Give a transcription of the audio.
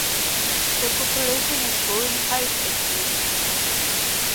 The population is growing quite a bit.